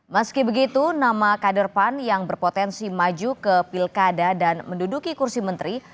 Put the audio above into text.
meski begitu nama kader pan yang berpotensi maju ke pilkada dan menduduki kursi menteri